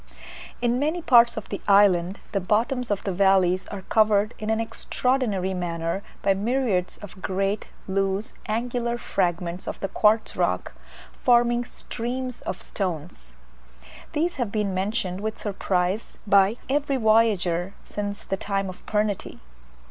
In many parts of the island the bottoms of the valleys are covered in an extraordinary manner by myriads of great loose angular fragments of the quartz rock, forming "streams of stones." These have been mentioned with surprise by every voyager since the time of Pernety.